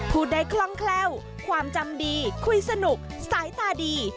พูดได้คล่องแคล่วความจำดีคุยสนุกสายตาดี